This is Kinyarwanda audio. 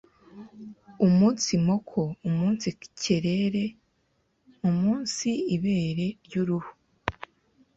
umunsi moko, umunsi kerere, umunsi ibere ry’uruhu,